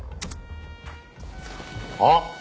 あっ。